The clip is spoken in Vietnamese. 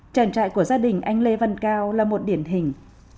trang trại của gia đình anh lê văn cao là một điển hình